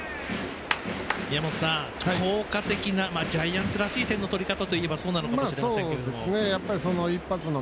宮本さん、効果的なジャイアンツらしい点の取り方といえばそうなのかもしれませんけども。